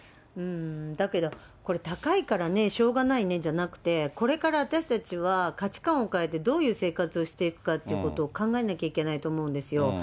だけど、これ、高いからね、しょうがないねじゃなくて、これから私たちは、価値観を変えて、どういう生活をしていくかということを考えなきゃいけないと思うんですよ。